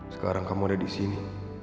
sekarang kamu ada disini